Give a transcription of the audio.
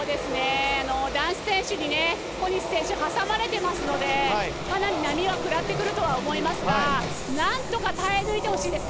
男子選手に小西選手が挟まれてますのでかなり波は食らってくると思いますが何とか耐え抜いてほしいです。